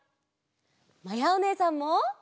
まやおねえさんも！